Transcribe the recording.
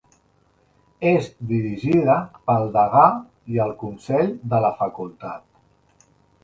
És dirigida pel Degà i el Consell de la Facultat.